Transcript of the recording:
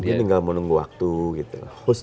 ini tinggal menunggu waktu gitu